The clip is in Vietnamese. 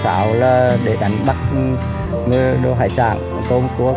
tạo chế bệnh tự động bàn chế hỗ trợ hỗ trợ cho chế độ hỗ trợ cho người thương và người học nhân